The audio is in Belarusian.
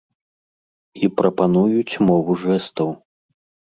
І прапануюць мову жэстаў.